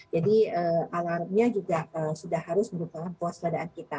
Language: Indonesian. jadi alarmnya juga sudah harus merupakan puas keadaan kita